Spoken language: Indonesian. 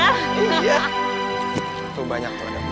terlalu banyak sesuatu